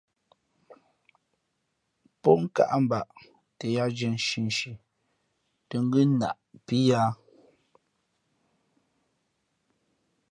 Pō nkāʼ mbaʼ tα yāā zhiē nshinshi tᾱ ngʉ́ naʼpí yāā.